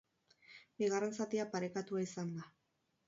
Bigarren zatia parekatua izan da.